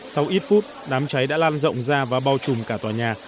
sau ít phút đám cháy đã lan rộng ra và bao trùm cả tòa nhà